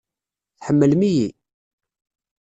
Tḥemmlem-iyi?